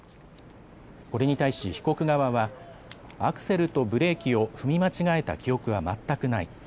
これに対し被告側はアクセルとブレーキを踏み間違えた記憶は全くない。